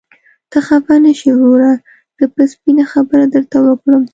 ته خفه نشې وروره، زه به سپينه خبره درته وکړم.